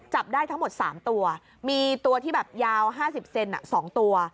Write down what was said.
จับได้ทั้งหมดสามตัวมีตัวที่แบบยาวห้าสิบเซนอ่ะสองตัว